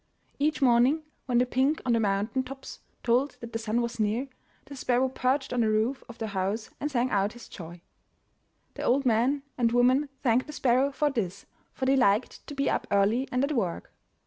Each morning, when the pink on the mountain tops told that the sun was near, the sparrow perched on the roof of the house and sang out his joy. The old man and woman thanked the sparrow for this, for they liked to be up early and at work.